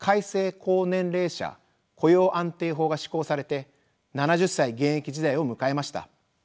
高年齢者雇用安定法が施行されて７０歳現役時代を迎えました。